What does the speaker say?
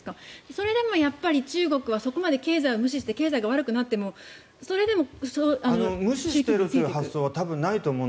それでもやっぱり中国はそこまで経済を無視して経済が悪くなってもそれでも。